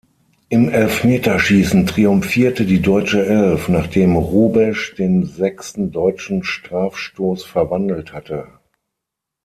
Im Elfmeterschießen triumphierte die deutsche Elf, nachdem Hrubesch den sechsten deutschen Strafstoß verwandelt hatte.